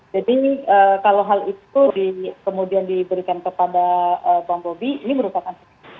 jadi kalau hal itu kemudian diberikan kepada bang bobi ini merupakan kesalahan